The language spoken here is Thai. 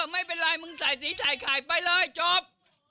ไม่เป็นไรมึงใส่สีใส่ไข่ไปเลยจบ